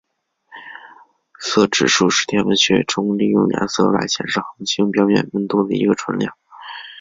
色指数是天文学中利用颜色来显示恒星表面温度的一个纯量。